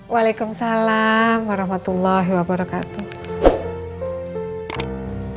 waalaikumsalam warahmatullahi wabarakatuh